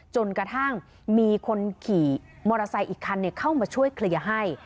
จนกระทั่งมีคนขี่มอเตอร์ไซค์อีกคันเข้ามาช่วยเคลียร์ให้